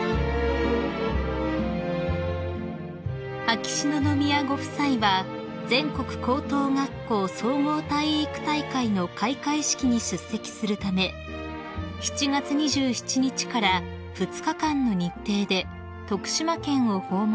［秋篠宮ご夫妻は全国高等学校総合体育大会の開会式に出席するため７月２７日から２日間の日程で徳島県を訪問されました］